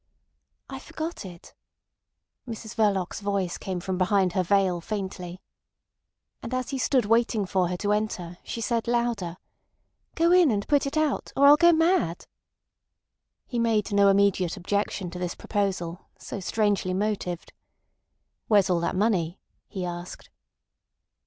"I forgot it." Mrs Verloc's voice came from behind her veil faintly. And as he stood waiting for her to enter first, she said louder: "Go in and put it out—or I'll go mad." He made no immediate objection to this proposal, so strangely motived. "Where's all that money?" he asked.